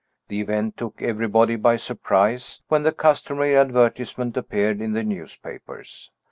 The event took everybody by surprise when the customary advertisement appeared in the newspapers.